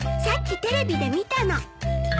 さっきテレビで見たの。